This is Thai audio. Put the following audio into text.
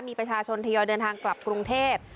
มีประชาชนทยอยเดินทางกลับกรุงเทพ